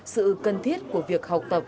sự cần thiết của việc học tập